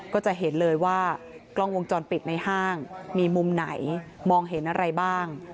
ก็จะเห็นเลยว่ากล้องวงจรปิดในห้างมีมุมไหนมองเห็นอะไรบ้าง